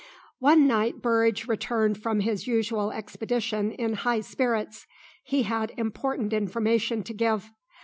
One night Burridge returned from his usual expedition in high spirits. He had important information to give.